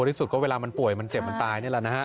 ที่สุดก็เวลามันป่วยมันเจ็บมันตายนี่แหละนะฮะ